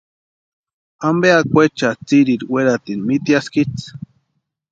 ¿Ampe akwaecha tsiriri weratini míteaskitsʼï?